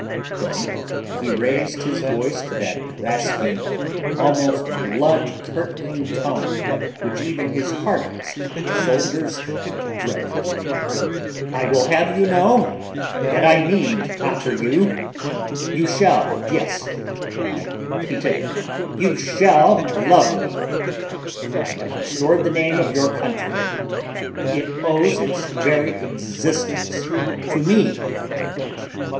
Then he raised his voice to that rasping, almost blood curdling tone which even his hardiest soldiers dreaded: "I will have you know that I mean to conquer you. You SHALL yes, I repeat it, you SHALL love me! I have restored the name of your country. It owes its very existence to me."